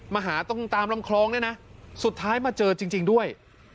มาหาตรงตามลำคลองเนี่ยนะสุดท้ายมาเจอจริงด้วย